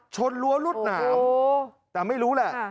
รั้วรวดหนามแต่ไม่รู้แหละ